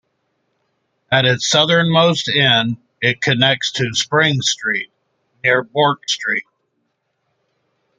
At its southernmost end, it connects to Spring Street near Bourke Street.